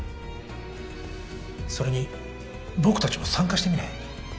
それに僕たちも参加してみない？